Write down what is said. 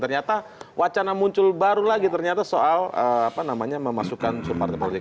ternyata wacana muncul baru lagi ternyata soal memasukkan soepar deportek